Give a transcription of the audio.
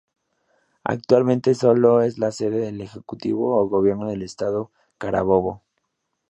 Actualmente solo es la sede del Ejecutivo o Gobierno del Estado Carabobo.